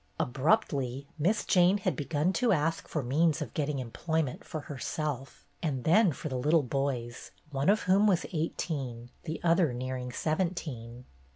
Abruptly Miss Jane had begun to ask for means of getting employ ment for herself and then for the "little boys," one of whom was eighteen, the other nearing seventeen.